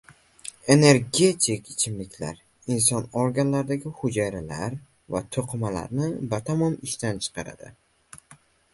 Energetik ichimliklar inson organlaridagi hujayralar va toʻqimalarni batamom ishdan chiqaradi.